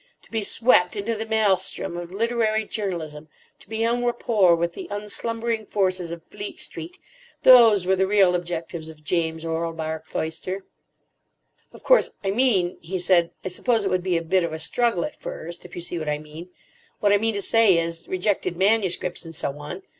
—to be swept into the maelstrom of literary journalism, to be en rapport with the unslumbering forces of Fleet Street—those were the real objectives of James Orlebar Cloyster. "Of course, I mean," he said, "I suppose it would be a bit of a struggle at first, if you see what I mean. What I mean to say is, rejected manuscripts, and so on.